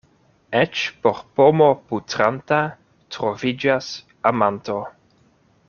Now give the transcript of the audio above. Eĉ por pomo putranta troviĝas amanto.